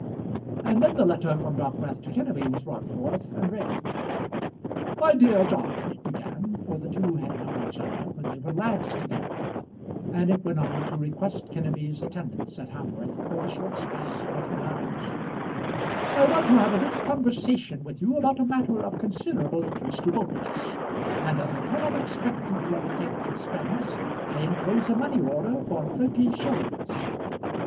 And then the letter from Dockwrath to Kenneby was brought forth and read. "My dear John," it began, for the two had known each other when they were lads together, and it went on to request Kenneby's attendance at Hamworth for the short space of a few hours, "I want to have a little conversation with you about a matter of considerable interest to both of us; and as I cannot expect you to undertake expense I enclose a money order for thirty shillings."